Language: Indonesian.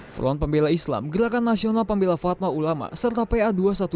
front pembela islam gerakan nasional pembela fatma ulama serta pa dua ratus dua belas